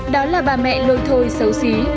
đó là bà mẹ lôi thôi xấu xíu